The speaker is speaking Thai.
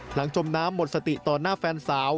จมน้ำหมดสติต่อหน้าแฟนสาว